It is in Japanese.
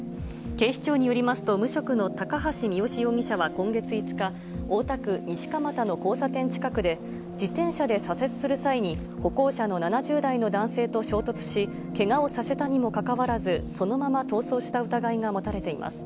警視庁によりますと、無職の高橋三好容疑者は今月５日、大田区西蒲田の交差点近くで、自転車で左折する際に歩行者の７０代の男性と衝突し、けがをさせたにもかかわらず、そのまま逃走した疑いが持たれています。